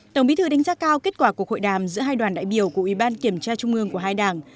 tổng bí thư đánh giá cao kết quả cuộc hội đàm giữa hai đoàn đại biểu của ủy ban kiểm tra trung ương của hai đảng